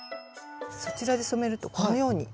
そちらで染めるとこのように。